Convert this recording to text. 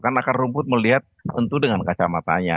karena akar rumput melihat tentu dengan kacamatanya